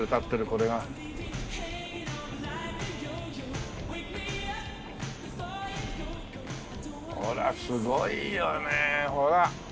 これすごいよねほら。